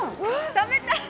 食べたい！